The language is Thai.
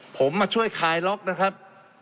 ผมมาช่วยคลายล็อกนะครับ